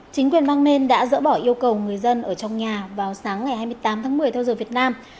chính quyền bang maine đã dỡ bỏ yêu cầu người dân ở trong nhà vào sáng ngày hai mươi tám tháng một mươi theo giờ việt nam